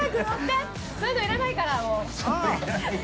そういうの要らないから、もう。